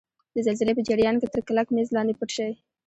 د زلزلې په جریان کې تر کلک میز لاندې پټ شئ.